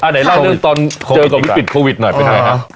อ่ะเดี๋ยวเรานึกตอนเจอกับวิกฤตโควิดหน่อยไปกันนะครับ